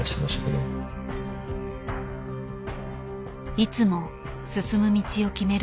いつも進む道を決める